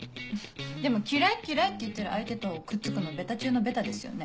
でも「嫌い嫌い」って言ってる相手とくっつくのベタ中のベタですよね。